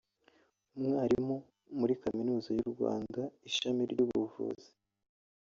Umwarimu muri Kaminuza y’u Rwanda ishami ry’ubuvuzi